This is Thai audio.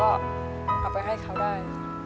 เอาไปให้เขาได้